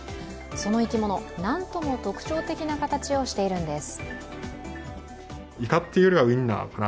その生き物、なんとも特徴的な形をしているんです。